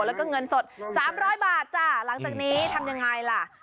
แล้วก็เงินสด๓๐๐บาทจ้ะหลังจากนี้ทำยังไงล่ะ